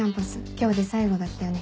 今日で最後だったよね？